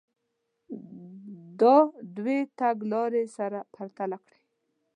دا دوې تګ لارې سره پرتله کړئ.